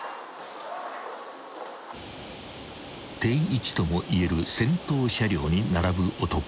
［定位置ともいえる先頭車両に並ぶ男］